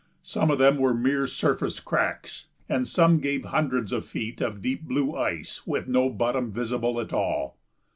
Some of them were mere surface cracks and some gave hundreds of feet of deep blue ice with no bottom visible at all.